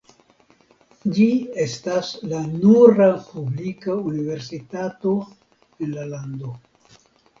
Ĝi estas la nura publika universitato en la lando.